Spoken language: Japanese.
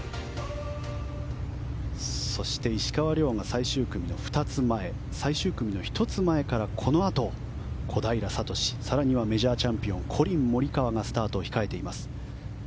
石川遼が最終組の２つ前最終組の１つ前からこのあと、小平智更にはメジャーチャンピオンコリン・モリカワが控えます。